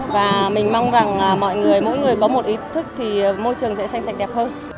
và mình mong rằng mỗi người có một ý thức thì môi trường sẽ xanh xanh đẹp hơn